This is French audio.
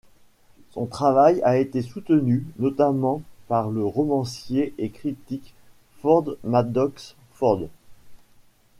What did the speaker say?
Son travail a été soutenu notamment par le romancier et critique Ford Madox Ford.